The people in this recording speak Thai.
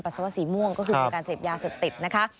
ปรัสเซียวะสีม่วงก็คือมีการเสพยาเสพติด